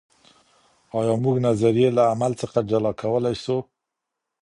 آيا موږ نظريې له عمل څخه جلا کولای سو؟